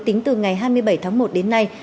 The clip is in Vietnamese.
tính từ ngày hai mươi bảy tháng một đến nay